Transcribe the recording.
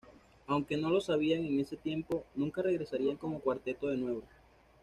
Aunque no lo sabían en ese tiempo, nunca regresarían como cuarteto de nuevo.